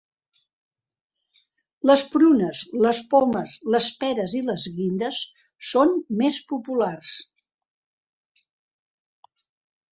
Les prunes, les pomes, les peres i les guindes són més populars.